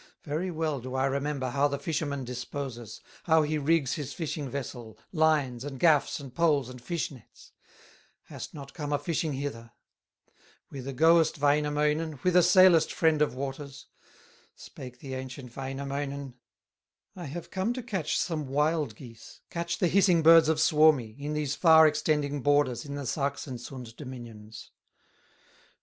Very well do I remember How the fisherman disposes, How he rigs his fishing vessel, Lines, and gaffs, and poles, and fish nets; Hast not come a fishing hither. Whither goest, Wainamoinen, Whither sailest, friend of waters?" Spake the ancient Wainamoinen: "I have come to catch some wild geese, Catch the hissing birds of Suomi, In these far extending borders, In the Sachsensund dominions."